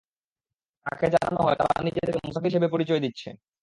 তাকে জানানো হয়, তারা নিজেদেরকে মুসাফির হিসেবে পরিচয় দিচ্ছে।